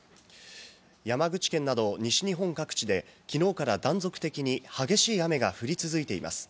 山口県など西日本各地で、きのうから断続的に激しい雨が降り続いています。